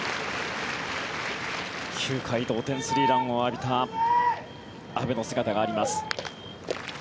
９回、同点スリーランを浴びた阿部の姿があります。